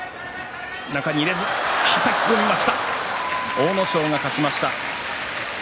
阿武咲が勝ちました。